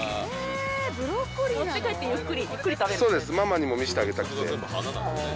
ママにも見してあげたくて。